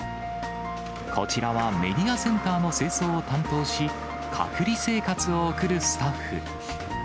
こちらはメディアセンターの清掃を担当し、隔離生活を送るスタッフ。